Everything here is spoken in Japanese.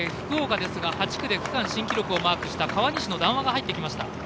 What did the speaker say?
福岡の８区で区間新記録をマークした川西の談話が入ってきました。